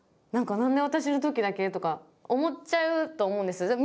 何か何で私の時だけとか思っちゃうと思うんです。